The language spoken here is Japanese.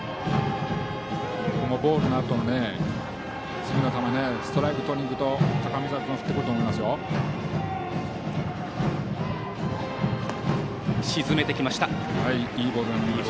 ボールのあとの次の球ストライクをとりにいくと高見澤君は振ってくると思いますよ。